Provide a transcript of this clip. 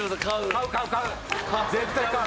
買う買う買う！